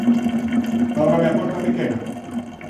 Ábrame a porta pequena.